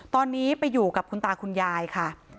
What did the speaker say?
ตอนนี้ไปอยู่กับคุณตาคุณยายค่ะ